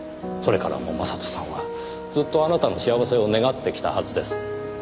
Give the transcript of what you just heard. それからも将人さんはずっとあなたの幸せを願ってきたはずです。